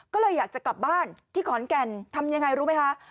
ก็เลยอยากจะกลับบ้านที่ขอนแก่นทำยังไงรู้ไหมคะ